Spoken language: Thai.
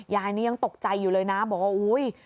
ยายนี้ยังตกใจอยู่เลยนะบอกว่าอุ๊ย